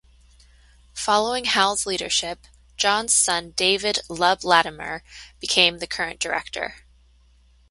Following Hal's directorship, John's son David "Lub" Latimer became the current director.